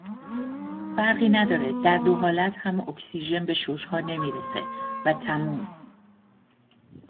فرقی نداره در دو حالت هم اکسیژن به ششها نمیرسه و تموم